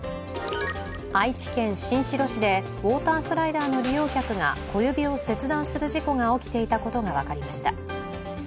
愛知県新城市でウォータースライダーの利用客が小指を切断する事故が起きていたことが分かりました。